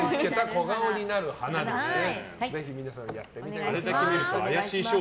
小顔になる花ですってね。